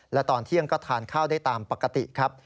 และตอนเที่ยงก็ทานข้าวได้ตามปกติครับ